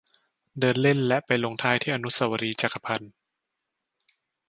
เดินเล่นและไปลงท้ายที่อนุสาวรีย์จักรพรรดิ์